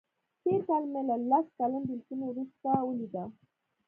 تېر کال مې له لس کلن بیلتون وروسته ولیده.